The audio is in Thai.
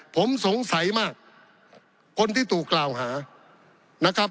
ผมสงสัยมากคนที่ถูกกล่าวหานะครับ